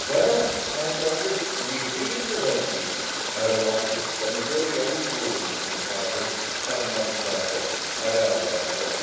"Well," asked Roger, "do we freeze or don't we?" "I don't want to. But majority always rules in this unit, Roger." Tom glanced at Astro. "How about it, Astro?"